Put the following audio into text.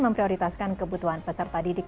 memprioritaskan kebutuhan peserta didik